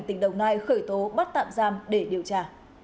tỉnh đồng nai khởi tố bắt tạm giam để điều tra